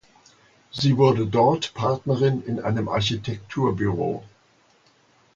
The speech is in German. Sie wurde dort Partnerin in einem Architekturbüro.